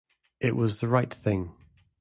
It was the right thing.